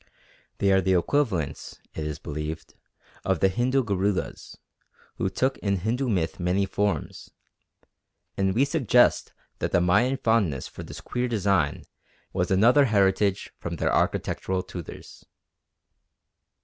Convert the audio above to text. They are the equivalents it is believed of the Hindu Garudas, who took in Hindu myth many forms; and we suggest that the Mayan fondness for this queer design was another heritage from their architectural tutors.